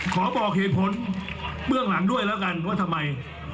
บอกเหตุผลเบื้องหลังด้วยแล้วกันว่าทำไม